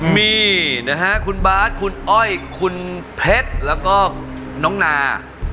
มีคุณบาสคุณอ้อยคุณเผ็ดแล้วก็น้องนา